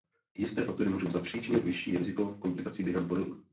Jisté faktory můžou zapříčinit vyšší riziko komplikací během porodu.